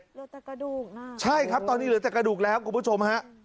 เหลือแต่กระดูกใช่ครับตอนนี้เหลือแต่กระดูกแล้วคุณผู้ชมฮะ